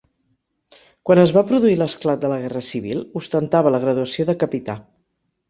Quan es va produir l'esclat de la Guerra civil, ostentava la graduació de capità.